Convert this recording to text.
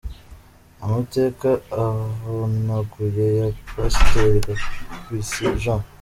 Amateka avunaguye ya Pasiteri Gapusi Jean.